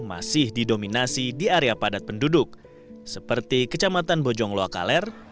masih didominasi di area padat penduduk seperti kecamatan bojong loakaler